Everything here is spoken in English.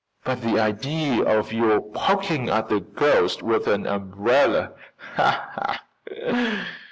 "But the idea of your poking at a ghost with an umbrella!"